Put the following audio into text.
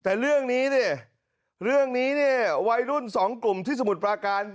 แต่เรื่องนี้เนี่ยเรื่องนี้เนี่ยวัยรุ่นสองกลุ่มที่สมุทรปราการ